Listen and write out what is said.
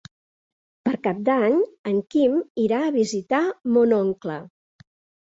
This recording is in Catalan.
Per Cap d'Any en Quim irà a visitar mon oncle.